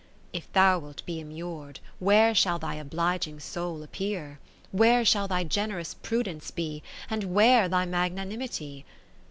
If thou wilt be immured *, where Shall thy obliging soul appear ? Where shall thy generous prudence be. And where thy magnanimity